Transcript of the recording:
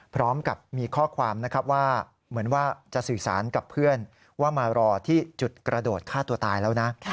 พร้อมกับมีข้อความนะครับว่าเหมือนว่าจะสื่อสารกับเพื่อนว่ามารอที่จุดกระโดดฆ่าตัวตายแล้วนะ